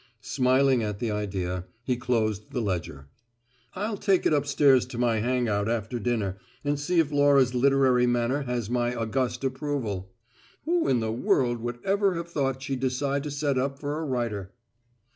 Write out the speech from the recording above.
Smiling at the idea, he closed the ledger. "I'll take it upstairs to my hang out after dinner, and see if Laura's literary manner has my august approval. Who in the world would ever have thought she'd decide to set up for a writer?"